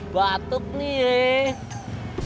batuk nih yee